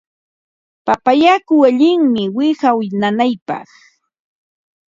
Papa yaku allinmi wiqaw nanaypaq.